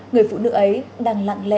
người phụ nữ ấy đang lặng lẽ